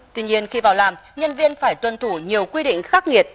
tuy nhiên khi vào làm nhân viên phải tuân thủ nhiều quy định khắc nghiệt